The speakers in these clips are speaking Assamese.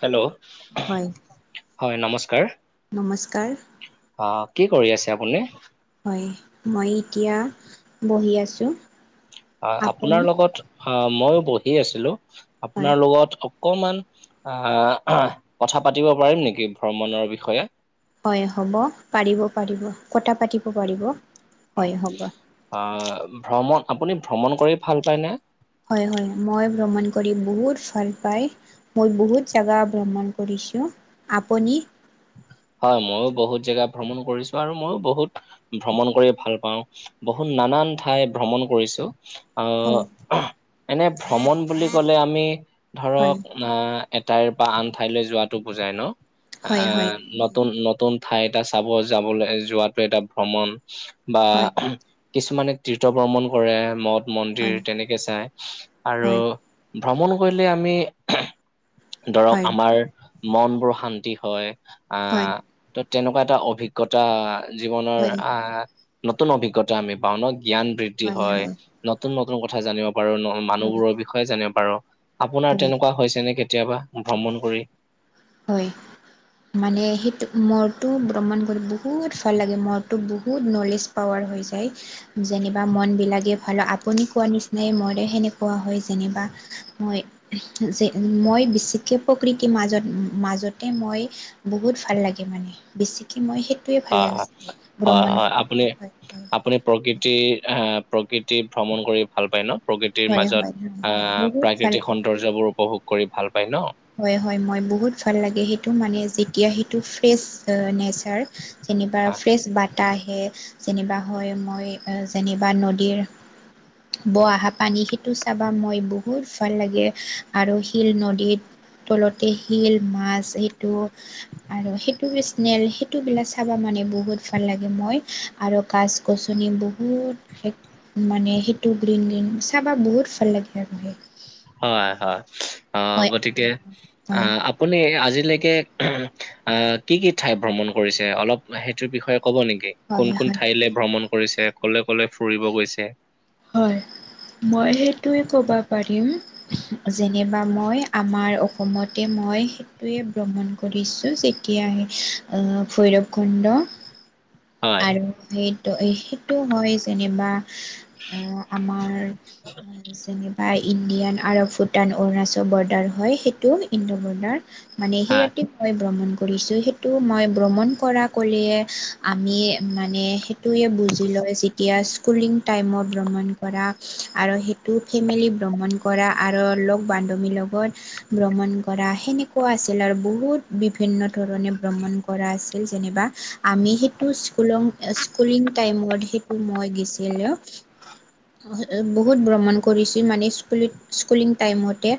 হেল্ল' হয় হয় নমস্কাৰ। নমস্কাৰ। অ' কি কৰি আছে আপুনি? হয়, মই এতিয়া বহি আছোঁ। হয়, আপুনি আপোনাৰ লগত অ, মইও বহি আছিলো। হয় আপোনাৰ লগত অকমান আহ, কথা পাতিব পাৰিম নেকি ভ্ৰমণৰ বিষয়ে? হয়, হ'ব পাৰিব-পাৰিব কটা পাতিব পাৰিব হয় হ'ব। অ' ভ্ৰমণ আপুনি ভ্ৰমণ কৰি ভাল পায়নে? হয়-হয় মই ভ্ৰমণ কৰি বহুত ভাল পাই। মই বহুত জাগা ভ্ৰমণ কৰিছোঁ, আপুনি? হয় ময়ো বহুত জেগা ভ্ৰমণ কৰিছো আৰু ময়ো বহুত ভ্ৰমণ কৰি ভাল পাওঁ। বহুত নানান ঠাই ভ্ৰমণ কৰিছো। হয় এনে ভ্ৰমণ বুলি ক'লে আমি হয় ধৰক। এটাইৰ পৰা আন ঠাইলৈ যোৱাটো বুজাই ন। হয় আহ নতুন-নতুন ঠাই এটা চাব যাবলৈ যোৱাাতটো এটা ভ্ৰমণ। বা, হয় কিছুমানে তীৰ্থ ভ্ৰমন কৰে মদ। হয় মন্দিৰ তেনেকে চাই আৰু হয় ভ্ৰমণ কৰিলে আমি হয় ধৰক হয় আমাৰ মন বোৰ শান্তি হয় হয় আহ, ত' তেনেকুৱা এটা অভিজ্ঞতা জীৱনৰ হয় আহ। নতুন অভিজ্ঞতা আমি পাওঁ ন, জ্ঞান বৃদ্ধি হয় নতুন-নতুন কথা জানিব পাৰো। মানুহ হয় বোৰৰ বিষয়ে জানে বাৰু। আপোনাৰ হয় তেনেকুৱা হৈছেনে কেতিয়াবা ভ্ৰমণ কৰি? হয়। মানে সেইটো মোৰটো ভ্ৰমণ কৰি বহুত ভাল লাগে। মোৰটো বহুত নলেজ পাৱাৰ হৈ যায়। যেনিবা মন বিলাকেই ভাল আপুনি কোৱা নিচিনাই মৰে সেনেকুৱা হয় যেনিবা। হয়, যে মই বিশষকে প্ৰকৃতিৰ মাজত। মাজতে মই বহুত ভাল লাগে মানে বেছিকে মই সেই হয়-হয়-হয়-হয় আপুনি হয় আপুনি প্ৰকৃতিৰ আহ, প্ৰকৃতি ভ্ৰমণ কৰি ভাল পায় ন? প্ৰকৃতিৰ হয় মাজত হয় হয় হয় আহ বহুত ভাল প্ৰাকৃতিক লাগে সৌন্দৰ্যবোৰ উপভোগ কৰি ভাল পায় ন? হয়-হয় মই বহুত ভাল লাগে সেইটো মানে যেতিয়া সেইটো ফ্ৰেচ নেচাৰ। যেনিবা ফ্ৰেছ বাটাহ আহে, যেনিবা হয় মই যেনিবা নদীৰ বহা পানী সেইটো চাবা মই বহুত ভাল লাগে। আৰু শিল নদীত, তলতে শিল মাছ এইটো, আৰু সেইটো বিচনেল সেইটো বিলাক চাবা মানে বহুত ভাল লাগে মই। আৰু গাছ-গছনি বো বহুত এক মানে সেইটো গ্ৰীণ-গ্ৰীণ চাবা বহুত ভাল লাগে আৰু সেই। হয়-হয়। অ, গতিকে অ হয় হয় আপুনি আজিলৈকে, অ, কি-কি ঠাই ভ্ৰমণ কৰিছে অলপ সেইটোৰ বিষয়ে ক'ব নেকি? হয় কোন-কোন হয় ঠাইলে ভ্ৰমণ কৰিছে? কলে-কলে ফুৰিব গৈছে? হয়, মই সেইটোৱে ক'বা পাৰিম। যেনিবা মই আমাৰ অসমতে মই সেইটোৱে ভ্ৰমণ কৰিছোঁ যে তিয়া আহ ভৈৰৱ কুণ্ড। হয় আৰু সেইটো-সেইটো হয় যেনিবা। এই আমাৰ যে বা ইণ্ডিয়ান আৰু ভূটান অৰুণাচল বৰ্ডাৰ হয় সেইটো ইণ্ডো বৰ্ডাৰ। মানে সেই হা ৰাতি মই ভ্ৰমণ কৰিছো। সেইটো মই ভ্ৰমণ কৰা কলিয়ে আমি মানে সেইটোৱে বুজি লয় যেতিয়া- স্কুলিং টাইমত ভ্ৰমণ কৰা, আৰু সেইটো ফেমিলি ভ্ৰমণ কৰা, আৰু লগ বান্ধৱীৰ লগত, ভ্ৰমণ কৰা সেনেকুৱা আছিল, আৰু বহুত বিভিন্ন ধৰণে ভ্ৰমণ কৰা আছিল যেনিবা। আমি সেইটো স্কুলং স্কুলিং টাইমত সেইটো মই গেছিলোঁ। [unintelligible] বহুত ভ্ৰমণ কৰিছো মানে স্কুলি স্কুলিং টাইমতে।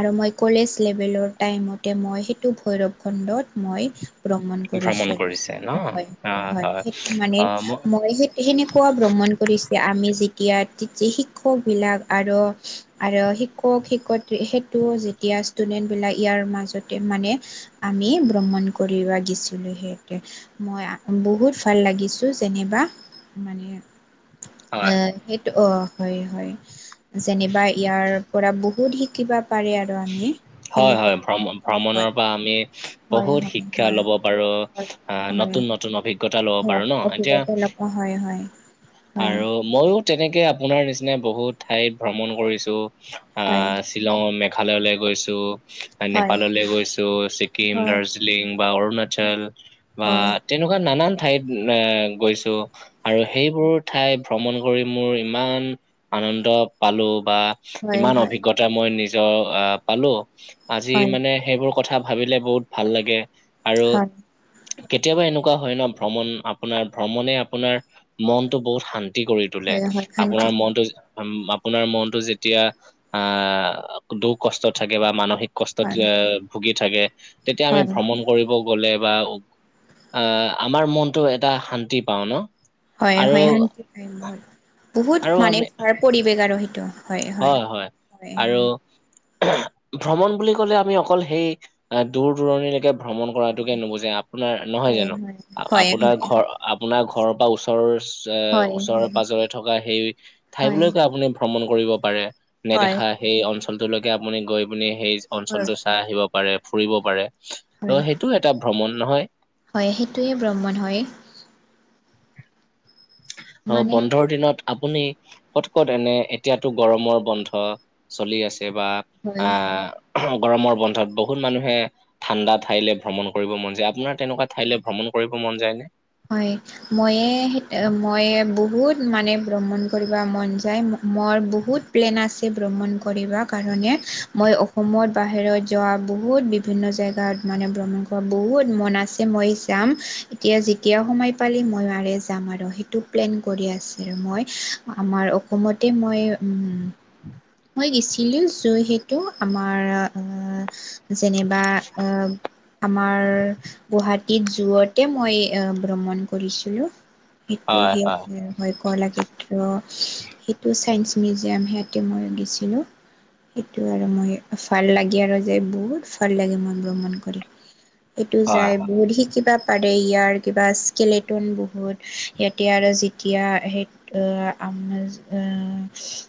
আৰু মই কলেজ লেভেলত টাইমতে মই সেইটো ভৈৰৱ খণ্ডত মই ভ্ৰমণ কৰিছোঁ। কৰিছে ন হয় হয় হয়, সেইটো মানে অ মই সেই সেনেকুৱা ভ্ৰ ভ্ৰমণ কৰিছে আমি যেতিয়া তেতি শিক্ষক বিলাক আৰ আৰু শিক্ষক শিক্ষয়িত্ৰী সেইটো যেতিয়া ষ্টুডেন্ট বিলাক ইয়াৰ মাজতে মানে আমি ভ্ৰমণ কৰিবা গেছিলো সিহঁতে মই আ বহুত ভাল লাগিছোঁ যেনেবা, মানে হয় এ অ হয় হয়, যেনিবা ইয়াৰ পৰা বহুত শিকিবা পাৰে আৰ পানী হয় হয়, ভ্ৰম ভ্ৰমণৰ পৰা আমি হয় বহুত হয় শিক্ষা হয় ল'ব পাৰো, হয় আ হয় নতুন নত নতুন অভিজ্ঞতা লব হয় পাৰো ন এতিয়া অভিজ্ঞতা ল'ব হয় হয়, হয় আৰু মইও তেনেকে আপোনাৰ নিচিনাই বহুত ঠাইত ভ্ৰমণ কৰিছো। হয়। আহ শ্বিলং, মেঘালয়লে গৈছো। হয় নেপাললে গৈছোঁ। ছিকিম, হয় হয় দাৰ্জিলিং বা অৰুণাচল হয় বা হয় তেনেকুৱা নানান ঠাইত এ গৈছো আৰু সেইবোৰত ঠাই ভ্ৰমণ কৰি মোৰ ইমান আনন্দ পালো বা হয় হয় ইমান অভিজ্ঞতা তা মই নিজৰ আহ পালো আজি হয় হয় মানে সেইবোৰ কথা ভাবিলে বহুত ভাল লাগে আৰু কেতিয়াবা এনেকুৱা হয় ন ভ্ৰমণ আপোনাৰ ভ্ৰমণে আপোনাৰ মন বহুত শান্তি কৰি তুলে। শান্তি আপোনাৰ মনটো- আপোনাৰ মনটো যেতিয়া আহ দুখ কষ্ট থাকে বা মানসিক কষ্ট হয় এ ভুগি থাকে তেতিয়া আমি হয় ভ্ৰমণ কৰিব গলে বা আহ আমাৰ মনটো এটা শান্তি পাওঁ ন। হয় আৰু হয় শান্তি হয় বহুত। বহুত আৰু মানে আমি পৰিৱেশ আৰু সেইটো। হয় হয়। আৰু ভ্ৰমণ বুলি ক'লে আমি অকল সেই দূৰ দূৰণিলেকে ভ্ৰমণ কৰাতোকে নুবুজে আপোনাৰ নহয় হয় হয় জানো হয় হয় আপোনাৰ হয় ঘৰ আপোনাৰ ঘৰৰ পা ওচৰৰ এ হয় হয় ওচৰৰে হয় পাজৰে থকা সেই হয় ঠাইবিলাকো আপুনি ভ্ৰমণ কৰিব পাৰে হয় নেদেখা সেই অঞ্চলটোলৈকে আপুনি গৈ পিনি সেই হয় অঞ্চলটো চাই আহিব পাৰে ফুৰিব পাৰে ত হয় সেইটো এটা ভ্ৰমণ নহয় হয় সেইটোৱে ভ্ৰমণ হয় অ মানে বন্ধৰ দিনত আপুনি কত কত এনে এতিয়াতো গৰমৰ বন্ধ চলি আছে বা হয় আ গৰমৰ বন্ধত বহুত মানুহে ঠাণ্ডা ঠাইলে ভ্ৰমণ কৰিব মন যায় আপোনাৰ তেনেকুৱাত ঠাইলে ভ্ৰমণ কৰিব মন যায় নে হয় ময়ে ময়ে বহুত মানে ব্ৰমণ কৰিব মন যায় ম-ৰ বহুত প্লেন আছে এ ব্ৰমণ কৰিবা কাৰণে মই অসমত বাহিৰত যৱা বহুত বি বিভিন্ন জেগাত মানে ব্ৰমণ কৰা বহুত মন আছে মই যাম এতিয়া যি এতিয়া সময় পালি মই মাৰে যাম আৰু সেইটো প্লেন কৰি আছিল মই। আমাৰ অসমতে মই মই গিছিলো যিহেতু আমাৰ যেনিবা এ আমাৰ গুৱাহাটীত যোৰতে মই ভ্ৰমণ কৰিছিলো সেইটো হয় হয়। সে হয় কলাক্ষেত্ৰ সেইটো ছায়ন্স মিউজিয়াম সিয়াঁতে মই গৈছিলোঁ। সেইটো আৰু মই ভাল লাগে আৰু যে বহুত ভাল লাগে মন ভ্ৰমণ কৰি। এইটো হয় যায় হয় বহুত শিকিবা পাৰে ইয়াৰ কিবা স্কেলেটন বহুত ইয়াতে আৰু যেতিয়া সেই আ আমাৰ যে আ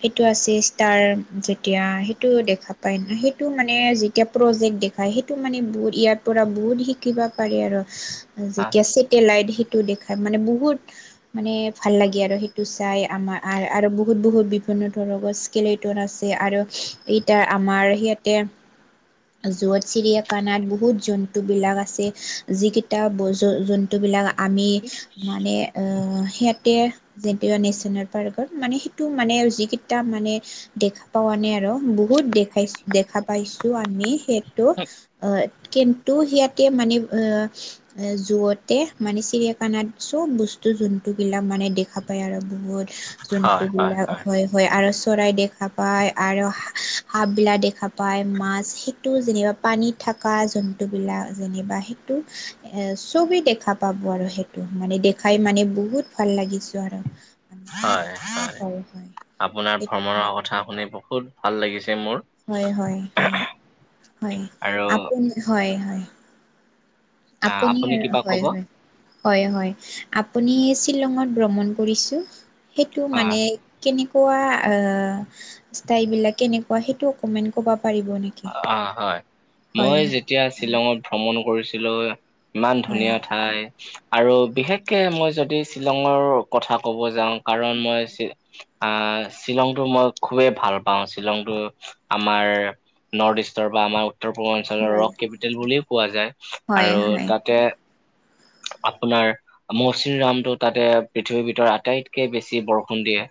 সেইটো আছে ষ্টাৰ যেতিয়া সেইটো দেখা পাই সেইটো মানে যেতিয়া প্ৰজেক্ট দেখাই সেইটো মানে বহুত ইয়াৰ পৰা বহুত শি কিবা পাৰি আৰু যেতিয়া ছেটেলাইট সেইটো দেখা মানে বহুত মানে ভাল লাগে আৰু সেইটো চাই আমাৰ আৰ আৰু বহুত বহুত বিভিন্ন ধৰৰ গছ কেলেটন আছে আৰু ইতিয়া আমাৰ সিয়াতে যত চিৰিয়াখানাত বহুত জন্তুবিলাক আছে, যিকেইটা বচ জো জন্তুবিলাক আমি মানে আঁ সিহঁতে যিটো নেচনেল পাৰ্কত মানে সেইটো মানে যিকেইটা মানে দেখা পোৱা নাই আৰু বহুত দেখাই দেখা পাইছো আমি সেই টো আহ কিন্তু সিয়াতে মানে আহ এ জুৱতে মানে চিৰিয়াখানাত চব বস্তু জন্তুবিলাক মানে দেখা পায় আৰু বহুত জন্তুবিলাক হয়। হয় আৰু চৰাই দেখা পায় আৰু সা সাপবিলাক দেখা পায়, মাছ সে টো যেনিবা পানীত থাকা জন্তুবিলাক যেনিবা সেইটো এ চবি দেখা পাব আৰু সেইটো মানে দেখাই মানে বহুত ভাল লাগিছো আৰু। হয় হয়, হয়। আপোনাৰ ভ্ৰমণৰ কথা শুনি বহুত ভাল লাগিছে মোৰ হয় হয় হয়, হয় আৰু আপু হয় হয়। আহ আপুনি আৰু কিবা হয় কব? হয়। হয় হয় আপুনি শ্বিলঙত ভ্ৰমণ কৰিছোঁ সেইটো অ মানে কেনেকুৱা আ ষ্টাইলবিলাক কেনেকুৱা সেইটো অকমেণ্ট ক'ব পাৰিব নে আ হয় মই যেতিয়া হয় শ্বিলঙত ভ্ৰমণ কৰিছিলো ইমান হয় ধুনীয়া ঠাই আৰু বিশেষকে মই যদি শ্বিলঙৰ কথা ক'ব যাওঁ কাৰণ মই শ্বি আহ শ্বিলংটো মই খুবেই ভাল পাওঁ, শ্বিলংটো আমাৰ নৰ্থ ইষ্টৰ পৰা আমাৰ উত্তৰ পূৰ্বাঞ্চলৰ হয়, ৰক কেপিটেল বুলিও কোৱা যায় হয়, আৰু হয়, তাতে আপোনাৰ মৌচিনৰামটো তাতে পৃথিৱীৰ ভিতৰত আটাইতকে বেছি বৰষুণ দিয়ে।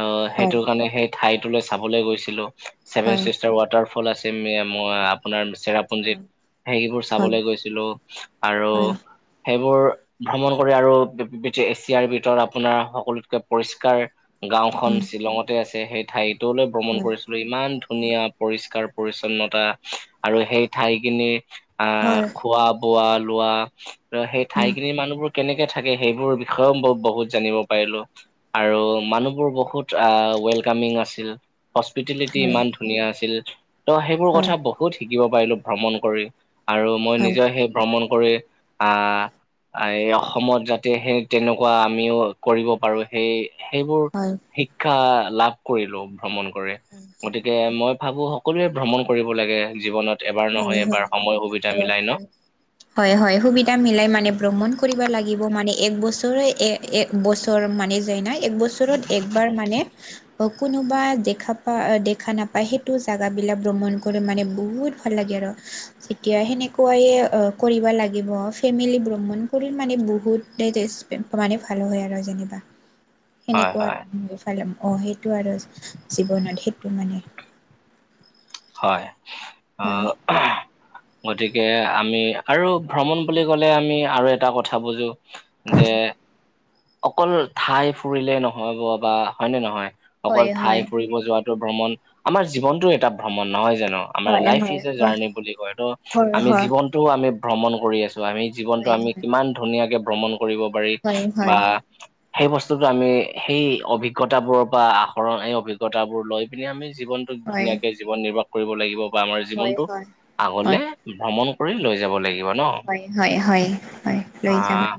অ হয়, সেইটোৰ কাৰণে সেই ঠাইটোলৈ চাবলৈ গৈছিলো ছেভেন হয়, চিষ্টাৰ ৱা ফল আছে মে মই আপোনাৰ চেৰাপুঞ্জীত, সেইবোৰ হয়, চাবলৈ গৈছিলো আৰু হয়, সেইবোৰ ভ্ৰমণ কৰি আৰু পি পৃথি এছিয়াৰ ভিতৰত আপোনাৰ সকলোতকে পৰিষ্কাৰ গাওখন উম, শ্বিলঙতে আছে, সেই ঠাইটোলৈ ভ্ৰমণ হয়, কৰিছিলো ইমান ধুনীয়া পৰিস কাৰ পৰিচ্ছন্নতা আৰু সেই ঠাইখিনি হয়, আহ খোৱা বোৱা, লোৱা আৰু সেই ঠাইখিনি মানুহবোৰ কেনেকে থাকে সেইবোৰ বিষয়েও ব বহুত জানিব পাৰিলো। আৰু মানুহবোৰ বহুত আ ৱেলকামিং আছিল হস্পিতেলিটি হয়, হয়, ইমান ধুনীয়া আছিল, ত সেইবোৰ হয়, হয়, কথা ব হুত শিকিব পাৰিলো ভ্ৰমণ কৰি আৰু মই হয়, নিজে সেই ভ্ৰমণ কৰি আহ এই অসমত যাতে সেই তেনেকুৱা আমিও কৰিব পাৰো সেই সেইবোৰ শিক্ষা লাভ কৰিলো ভ্ৰমণ কৰে গতিকে মই ভাবো সকলোৱে ভ্ৰমণ কৰিব লাগে জীৱনত এবাৰ হয়, হয়, নহয় এবাৰ সময় সুবিধা মিলাই ন। হয় হয়, সুবিধা মিলাই মানে ভ্ৰমণ কৰিব লাগিব, মানে এক বছৰে এক বছৰ মানে যায় ন, এক বছৰত একবাৰ মানে কোনোবা দেখা পা, দেখা নাপায় সেইটো জেগাবিলাক ভ্ৰমণ কৰে মানে বহুত ভাল লাগে আৰু। যেতিয়া সেনেকুৱাই কৰিব লাগিব, ফেমিলি ব্ৰহ্মণ কৰি মানে বহুত ডজষ্ট মানে ভালো হয় আৰু যেনিবা। হয় সেনেকুৱা হয় আৰু মই ফালাম আহ সেইটো আৰু জীৱনত, সেইটো মানে হয়, হয় আহ গতিকে আমি, আৰু ভ্ৰমণ বুলি ক'লে আমি আৰু এটা কথা বুজো, যে অকল ঠাই ফুৰিলে নহয়ব বা হয়নে নহয়, অকল হয় ঠাই হয় ফুৰিব যোৱাত ভ্ৰমণ, আমাৰ জীৱনটো এটা ভ্ৰমণ, নহয় জানো। আমাৰ হয় লাইফ ইজ হয় এ জাৰ্ণি বুলি কয়টো, হয় হয় আমি জীৱনটোও আমি ভ্ৰমণ কৰি আছো, আমি জীৱনটো হয় আমি হয় কিমান ধুনীয়াকে ভ্ৰমণ কৰিব পাৰি, হয় হয় বা হয় সেই বস্তুতো আমি সেই অভিজ্ঞতা বোৰ বা আহৰণ, এই অভিজ্ঞতা বোৰ লৈ পিনে আমি জীৱন হয় ধুনীয়াকে জীৱন নিৰ্বাহ কৰিব লাগিব বা আমাৰ জীৱনতটো, হয় আগলে ভ্ৰমণ কৰি লৈ যাব লাগিব। ন। হয়-হয়, হয়, হয় লৈ যাব, আহ [unintelligible]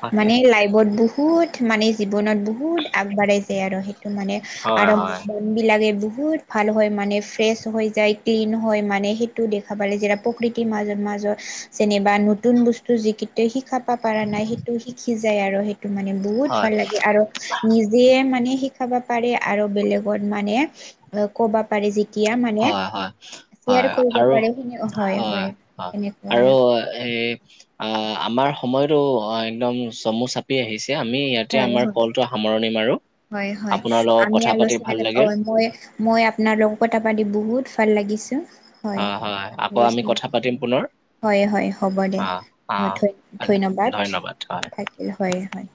তাকে মানে লাইভত বহুত মানে জীৱনত বহুত আগবাঢ়াই যায় আৰু সেইটো মানে, হয় আৰম্ভ হয় বিলাকে বহুত ভাল হয় মানে ফ্ৰেছ হৈ যায় ক্লিন হয় মানে সেইটো দেখ খাবালে যে প্ৰকৃতিৰ মাজত মাজত যেনেবা নতুন বস্তু যিকেইট শিকাবা পাৰা নাই, সেইটো শিকি যায় আৰু সেই টো মানে বহুত হয় ভাল লাগে, আৰু নিজে মানে শিকাব পাৰে আৰু বেলেগত মানে, কবা যেতিয়া মানে, হয় হয় ইয়াৰ হয় কৰিব আৰু পাৰে, হয় হয়-হয় হয় [unintelligible] আৰু এ আ আমাৰ সময়তো, অ একদম চমু চাপি আহিছে। আমি ইয়াতে হয় আমাৰ হয় কলটো সামৰণি মাৰো। হয় হয়, আপোনাৰ লগত আমি কথা পাতি আলোচনা ভাল [unintelligible] অ লাগিল। মই মই আপোনাৰ লগত কতা পাতি বহুত ভাল লাগিছোঁ। হয় হয়, আকৌ আমি কথা পাতিম পুনৰ। হয় হয়, হ'ব দে, অ ধ ধন্যবাদ থাকিল, হয় হয়।